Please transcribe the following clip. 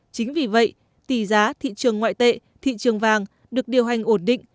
chính vì vậy tỷ giá thị trường ngoại tệ thị trường vàng được điều hành ổn định